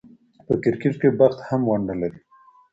په کرکټ کښي بخت هم ونډه لري.